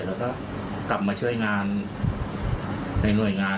แล้วก็กลับมาช่วยงานในหน่วยงาน